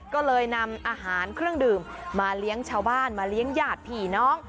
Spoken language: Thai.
ก็เลยนำอาหารเครื่องดื่มมาเลี้ยงชาวบ้านมาเลี้ยงหยาดผีน้อง